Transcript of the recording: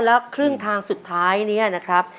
แล้วครึ่งทางสุดท้ายนี้นะครับ